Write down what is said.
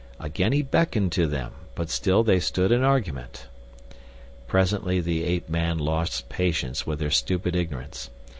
Again he beckoned to them; but still they stood in argument. Presently the ape man lost patience with their stupid ignorance.